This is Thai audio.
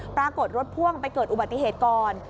ปรากฏรถพ่วงไปเกิดอุบัติเหตุก่อน